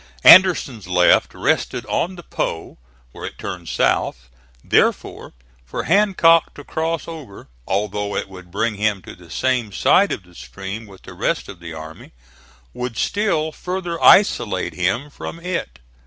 Anderson's left rested on the Po, where it turns south; therefore, for Hancock to cross over although it would bring him to the same side of the stream with the rest of the army would still farther isolate him from it.